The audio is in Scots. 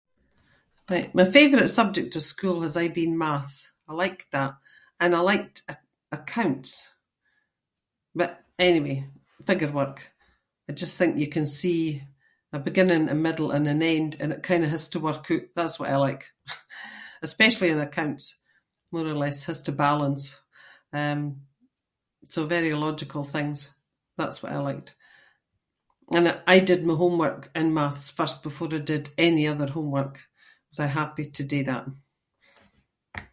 My favourite subject in school has aie been maths. I liked that and I liked a-accounts, but anyway, figure work. I just think you can see a beginning, a middle and an end and it kinda has to work oot. That’s what I like especially in accounts- more or less has to balance, um, so very logical things, that’s what I liked. And, eh, I did my homework in maths first before I did any other homework. I was aie happy to do that.